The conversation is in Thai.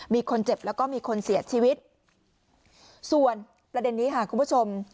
มีคนเจ็บแล้วก็มีคนเสียชีวิตส่วนประเด็นนี้ค่ะคุณผู้ชม